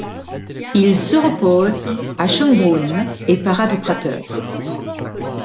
Il se repose à Schönbrunn et parade au Prater.